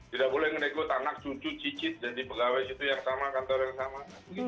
tidak boleh ngerekot anak cucu cicit jadi pegawai itu yang sama kantor yang sama